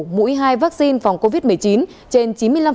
mũi hai vaccine phòng covid một mươi chín trên chín mươi năm